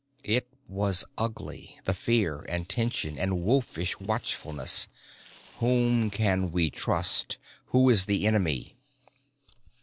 It was ugly, the fear and tension and wolfish watchfulness. _Whom can we trust? Who is the enemy?